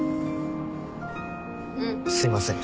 すいません。